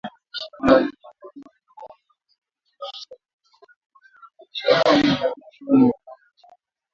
Uganda na Jamhuri ya Kidemokrasi ya Kongo, ziliongeza operesheni ya pamoja ya kijeshi iliyoanzishwa mwishoni mwa mwaka jana